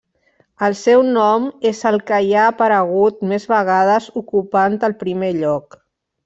El seu nom és el que hi ha aparegut més vegades ocupant el primer lloc.